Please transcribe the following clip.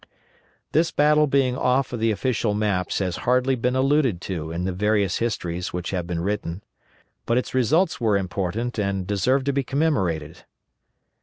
This battle being off of the official maps has hardly been alluded to in the various histories which have been written; but its results were important and deserve to be commemorated.